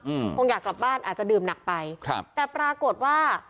อืมคงอยากกลับบ้านอาจจะดื่มหนักไปครับแต่ปรากฏว่า